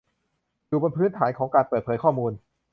อยู่บนพื้นฐานของการเปิดเผยข้อมูล